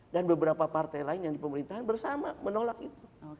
dan beberapa partai lain yang di pemerintahan bersama menolak itu